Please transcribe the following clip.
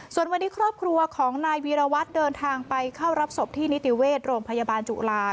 ส่วนวันนี้ครอบครัวของนายวีรวัตรเดินทางไปเข้ารับศพที่นิติเวชโรงพยาบาลจุฬา